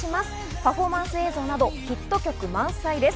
パフォーマンス映像などヒット曲満載です。